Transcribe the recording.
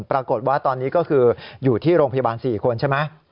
ปรากฏว่าตอนนี้ก็คืออยู่ที่โรงพยาบาล๔คนใช่ไหม